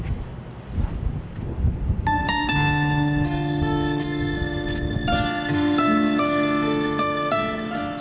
menemukan seorang ibu yang berada di pulau sapudi